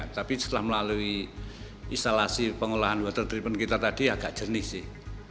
tapi setelah melalui instalasi pengolahan water treatment kita tadi agak jernih sih